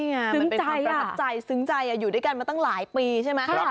นี่มันเป็นภาพประทับใจซึ้งใจอยู่ด้วยกันมาตั้งหลายปีใช่ไหม